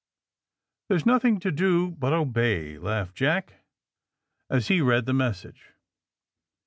There's nothing to do but obey/' laughed Jack, as he read the message.